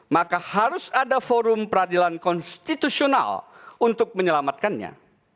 maka harus ada forum peradilan konstitusional untuk menyelamatkannya